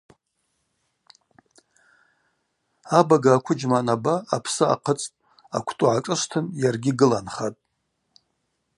Абага аквыджьма анаба, апсы ахъыцӏтӏ, аквтӏу гӏашӏышвтын йаргьи гыланхатӏ.